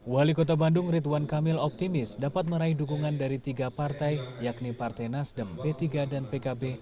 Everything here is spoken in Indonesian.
wali kota bandung ridwan kamil optimis dapat meraih dukungan dari tiga partai yakni partai nasdem p tiga dan pkb